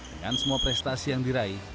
dengan semua prestasi yang diraih